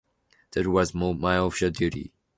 That was my official duty.